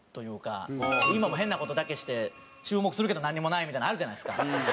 今も変な事だけして注目するけどなんにもないみたいなのあるじゃないですか。